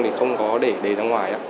thì không có để đề ra ngoài